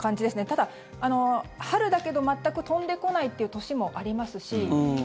ただ、春だけど全く飛んでこないという年もありますし。